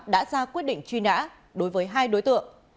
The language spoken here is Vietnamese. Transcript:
đã ra quyết định truy nã đối với hai đối tượng